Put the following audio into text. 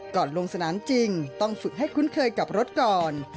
ลงสนามจริงต้องฝึกให้คุ้นเคยกับรถก่อน